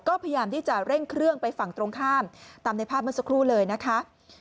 ก็พยายามที่จะเร่งเครื่องไปฝั่งตรงข้ามตามในภาพเมื่อสักครู่เลยนะคะ